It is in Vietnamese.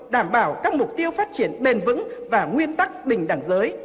đảm bảo các mục tiêu phát triển bền vững và nguyên tắc bình đẳng giới